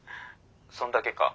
そんだけか？